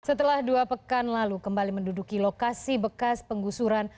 setelah dua pekan lalu kembali menduduki lokasi bekas penggusuran